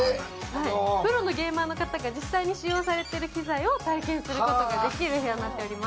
プロのゲーマーの方が実際に使用されている機材を体験することができる部屋になっております。